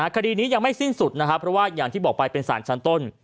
คดีนี้ยังไม่สิ้นสุดนะครับเพราะว่าอย่างที่บอกไปเป็นสารชั้นต้น